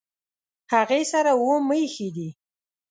هغې سره اووه مېښې دي